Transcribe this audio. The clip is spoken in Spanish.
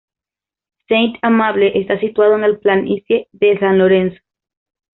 Saint-Amable está situado en la planicie de San Lorenzo.